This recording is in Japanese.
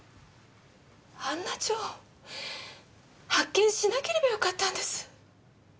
あんな蝶発見しなければよかったんです！